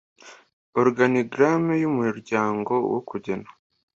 organigramme y umuryango no kugena